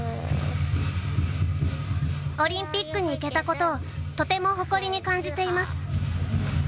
オリンピックに行けたことを、とても誇りに感じています。